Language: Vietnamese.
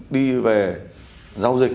đi về giao dịch